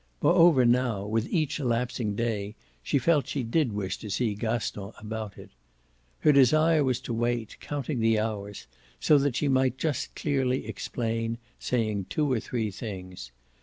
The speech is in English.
Moreover now, with each elapsing day, she felt she did wish to see Gaston about it. Her desire was to wait, counting the hours, so that she might just clearly explain, saying two or three things.